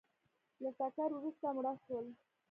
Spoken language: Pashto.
له ټکر وروسته مړه شول